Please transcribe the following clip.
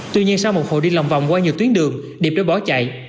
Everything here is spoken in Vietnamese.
tuy nhiên sau một hộ đi lòng vòng qua nhiều tuyến đường điệp đã bỏ chạy